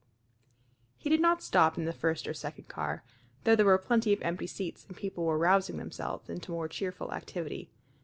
He did not stop in the first or second car, though there were plenty of empty seats and people were rousing themselves into more cheerful activity.